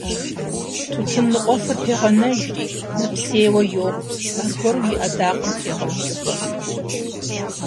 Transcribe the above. Тутын ныкъуэфыр пегъэнэжри, нэпсейуэ йокъу, аргуэру и Ӏэдакъэм трегъэункӀыфӀэ.